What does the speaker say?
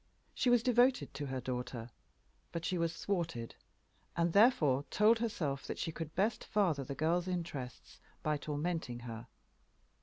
She was devoted to her daughter. But she was thwarted; and therefore told herself that she could best farther the girl's interests by tormenting her.